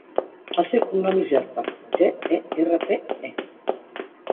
El seu cognom és Gerpe: ge, e, erra, pe, e.